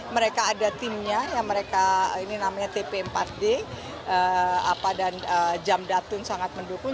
mereka ada timnya yang mereka ini namanya tp empat d dan jamdatun sangat mendukung